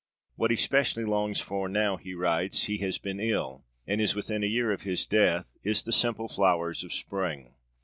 What he specially longs for now, he writes, he has been ill, and is within a year of his death, is 'the simple flowers of Spring.'